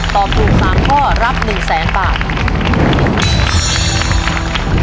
ตอบถูก๓ข้อรับ๑แสนบาท